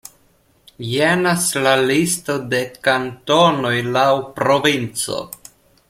Jenas la listo de kantonoj laŭ provinco.